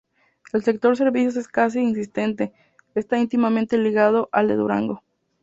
El sector servicios es casi inexistente, está íntimamente ligado al de Durango.